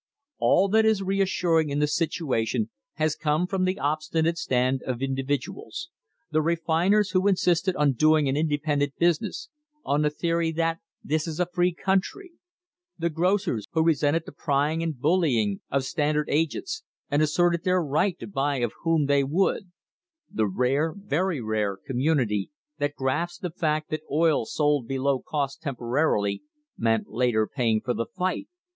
All that is reassuring in the situation has come from the obstinate stand of individuals the refiners who insisted on doing an independent business, on the theory that "this is a free coun try"; the grocers who resented the prying and bullying of Standard agents, and asserted their right to buy of whom they would; the rare, very rare, community that grasped the fact that oil sold below cost temporarily, meant later paying for the fight.